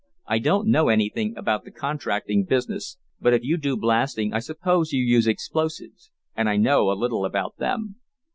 "I don't know anything about the contracting business, but if you do blasting I suppose you use explosives, and I know a little about them."